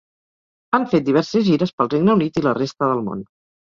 Han fet diverses gires pel regne unit i la resta del món.